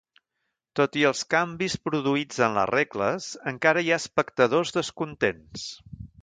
Tot i els canvis produïts en les regles, encara hi ha espectadors descontents.